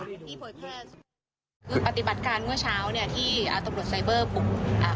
ที่เผยแพร่คือปฏิบัติการเมื่อเช้าเนี้ยที่อ่าตำรวจไซเบอร์บุกอ่า